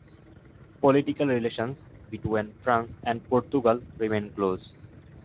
Political relations between France and Portugal remain close.